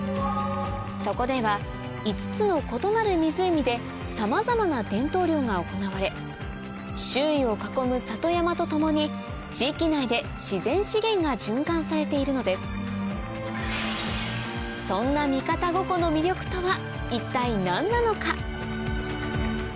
そこでは５つの異なる湖でさまざまな伝統漁が行われ周囲を囲む里山と共に地域内で自然資源が循環されているのですそんな一体何なのか？